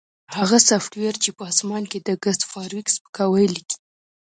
هغه سافټویر چې په اسمان کې د ګس فارویک سپکاوی لیکي